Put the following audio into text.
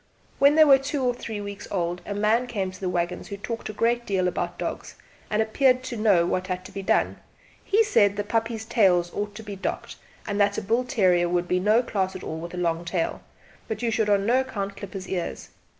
When they were two or three weeks old a man came to the waggons who talked a great deal about dogs, and appeared to know what had to be done. He said that the puppies' tails ought to be docked, and that a bull terrier would be no class at all with a long tail, but you should on no account clip his ears.